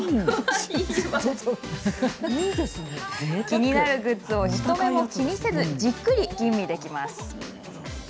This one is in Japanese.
気になるグッズを人目も気にせず、じっくり吟味できます。